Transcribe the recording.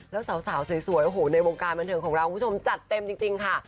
แล้วสาวสวยโอ้โหในวงการบันเทิงของเราคุณผู้ชมจัดเต็มจริงค่ะ